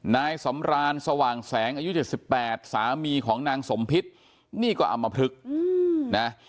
นายสำรานสว่างแสงอายุ๗๘สามีของนางสมพิษนี่ก็อำมพลึกนะ